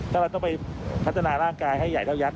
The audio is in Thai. ถ้าเราต้องไปพัฒนาร่างกายให้ใหญ่เท่ายักษ